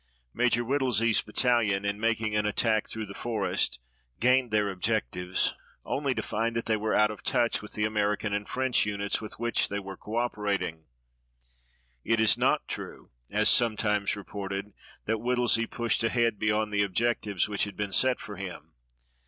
Major Whittlesey's battalion, in making an attack through the forest, gained their objectives, only to find that they were out of touch with the American and French units with which they were co operating. It is not true, as sometimes reported, that Whittlesey pushed ahead beyond the objectives which had been set for him.